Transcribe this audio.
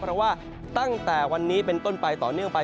เพราะว่าตั้งแต่วันนี้เป็นต้นไปต่อเนื่องไป